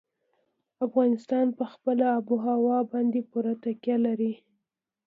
افغانستان په خپله آب وهوا باندې پوره تکیه لري.